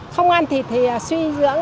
không ăn thịt thì suy dưỡng